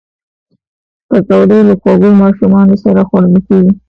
پکورې له خوږو ماشومانو سره خوړل کېږي